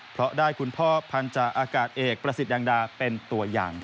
เพราะได้คุณพ่อพันธาอากาศเอกประสิทธิ์ยังดาเป็นตัวอย่าง